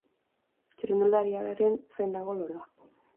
Txirrindulariaren zain dago loroa.